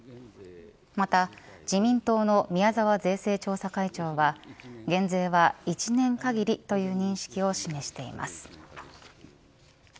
また自民党の宮沢税制調査会長は減税は１年限りという認識を示しています。